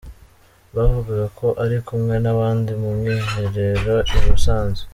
Bavugaga ko ari kumwe n’abandi mu mwiherero i Musanze.